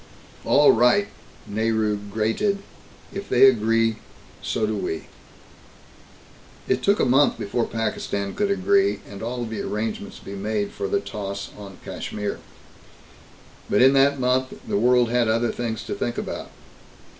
"All right!" Nehru grated. "If they agree, so do we!" It took a month before Pakistan could agree, and all the arrangements be made for the Toss on Kashmir. But in that month, the world had other things to think about.